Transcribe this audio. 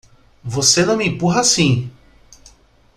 Você não me empurra assim!